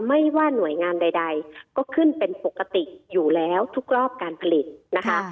ไม่ว่าหน่วยงานใดก็ขึ้นเป็นปกติอยู่แล้วทุกรอบการผลิตนะคะ